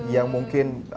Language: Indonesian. yang mungkin di